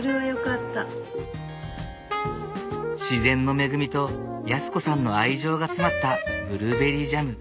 自然の恵みと康子さんの愛情が詰まったブルーベリージャム。